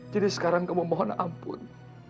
jadi sekarang kamu mohon ampun